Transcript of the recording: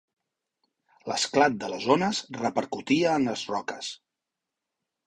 L'esclat de les ones repercutia en les roques.